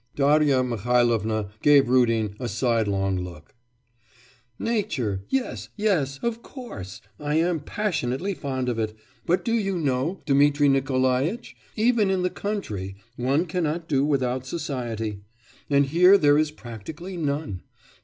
Darya Mihailovna gave Rudin a sidelong look. 'Nature yes yes of course.... I am passionately fond of it; but do you know, Dmitri Nikolaitch, even in the country one cannot do without society. And here there is practically none.